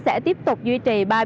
sẽ tiếp tục duy trì